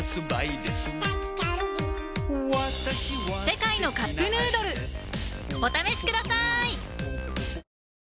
「世界のカップヌードル」お試しください！